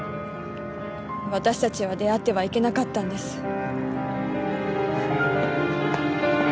私たちは出会ってはいけなかったんです。